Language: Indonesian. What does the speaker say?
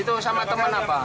itu sama teman apa